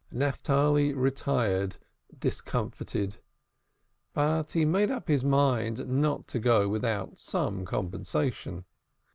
Naphtali retired discomfited. But he made up his mind not to go without some compensation.